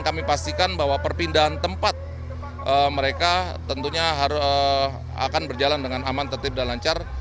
kami pastikan bahwa perpindahan tempat mereka tentunya akan berjalan dengan aman tertib dan lancar